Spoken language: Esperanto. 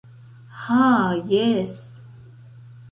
Ha jes!